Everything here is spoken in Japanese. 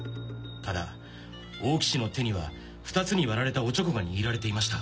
ただ大木の手には２つに割られたオチョコが握られていました。